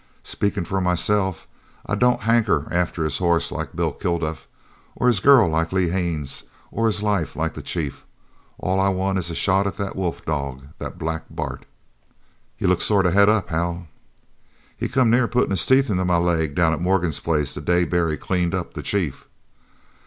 "Speakin' for myself, I don't hanker after his hoss like Bill Kilduff; or his girl, like Lee Haines; or his life, like the chief. All I want is a shot at that wolf dog, that Black Bart!" "You look sort of het up, Hal." "He come near puttin' his teeth into my leg down at Morgan's place the day Barry cleaned up the chief."